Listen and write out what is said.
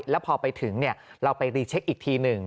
แล้วพอไปถึงเราไปรีเช็คอีกทีหนึ่ง